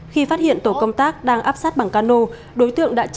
khi phát hiện tổ công tác đang áp sát bằng cano